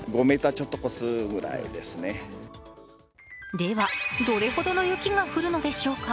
では、どれほどの雪が降るのでしょうか。